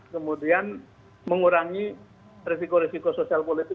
kemudian mengurangi resiko risiko sosial politik